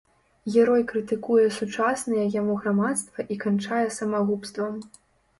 Герой крытыкуе сучаснае яму грамадства і канчае самагубствам.